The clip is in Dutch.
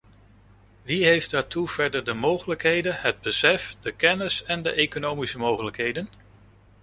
Wie heeft daartoe verder de mogelijkheden, het besef, de kennis en de economische mogelijkheden?